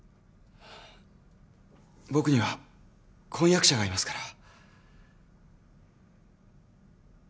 僕には婚約者がいますから。